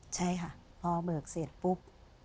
ใช่ค่ะพอเบิกเสร็จปุ๊บ